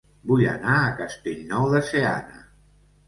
Vull anar a Castellnou de Seana